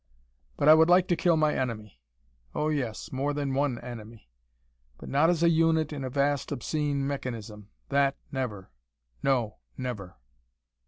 But I would like to kill my enemy: Oh, yes, more than one enemy. But not as a unit in a vast obscene mechanism. That never: no, never."